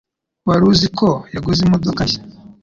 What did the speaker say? Wari uzi ko yaguze imodoka nshya?